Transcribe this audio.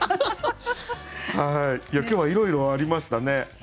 今日はいろいろありましたね。